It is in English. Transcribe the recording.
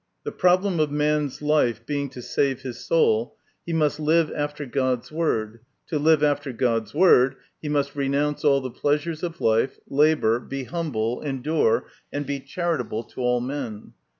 The problem of man's life being to save his 118 MY CONFESSION: 119 soul, he must live after God's Word : to live after God's Word, he must renounce all the pleasures of life, labour, be humble, endure, and be charitable to all men.